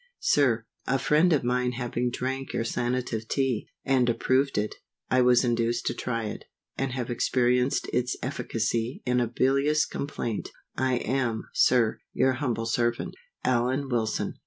SIR, A friend of mine having drank your Sanative Tea, and approved it, I was induced to try it, and have experienced its efficacy in a bilious complaint, I am, Sir, Your humble servant, ALLAN WILSON.